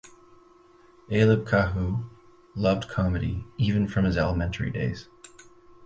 Alebcahew loved comedy even from his elementary days.